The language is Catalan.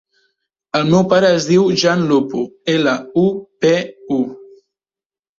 El meu pare es diu Jan Lupu: ela, u, pe, u.